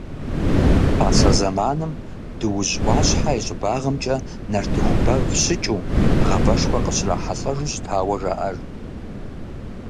Пасэ зэманым Дуужь ӏуащхьэ и щӏыбагъымкӏэ нартыху бэв щыкӏыу, гъавэшхуэ къыщрахьэлӏэжу щытауэ жаӏэж.